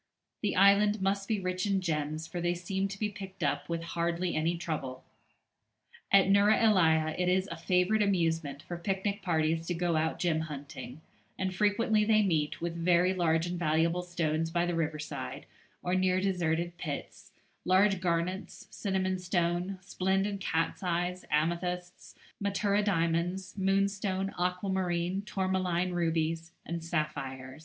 The island must be rich in gems, for they seem to be picked up with hardly any trouble. At Neuera ellia it is a favourite amusement for picnic parties to go out gem hunting, and frequently they meet with very large and valuable stones by the riverside or near deserted pits, large garnets, cinnamon stone, splendid cat's eyes, amethysts, matura diamonds, moonstone, aquamarine, tourmaline rubies, and sapphires.